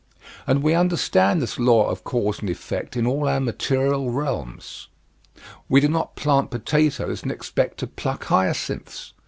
And we understand this law of cause and effect in all our material realms. We do not plant potatoes and expect to pluck hyacinths.